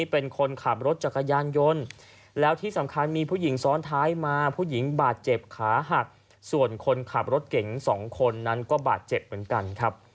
เป็นเสพค้าหักส่วนคนขับรถเก่ง๒คนนั่นก็บาดเจ็บเหมือนกันครับ